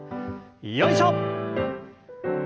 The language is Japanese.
よいしょ！